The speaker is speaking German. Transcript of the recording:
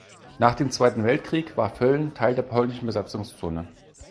Nach dem Zweiten Weltkrieg war Völlen Teil der polnischen Besatzungszone.